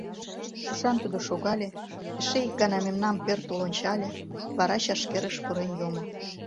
Тушан тудо шогале, эше ик гана мемнам пӧртыл ончале, вара чашкерыш пурен йомо.